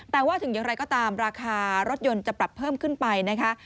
แต่ว่าถึงอย่างไรก็ตามราคารถยนต์จะปรับเพิ่มขึ้นไปนะคะ